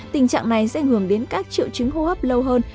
tình trạng này sẽ ảnh hưởng đến các triệu chứng hô hấp lâu hơn